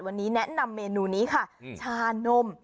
วันนี้แนะนำเมนูนี้ค่ะชานม